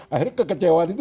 akhirnya kekecewaan itu